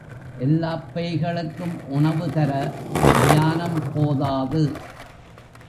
எல்லாப் பேய்களுக்கும் உணவு தர மயானம் போதாது.